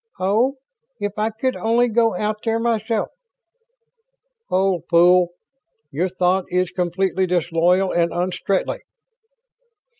Oh, if I could only go out there myself ..." "Hold, fool! Your thought is completely disloyal and un Strettly."